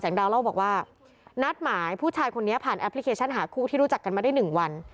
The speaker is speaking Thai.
ดาวเล่าบอกว่านัดหมายผู้ชายคนนี้ผ่านแอปพลิเคชันหาคู่ที่รู้จักกันมาได้๑วัน